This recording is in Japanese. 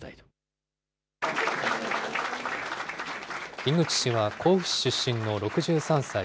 樋口氏は甲府市出身の６３歳。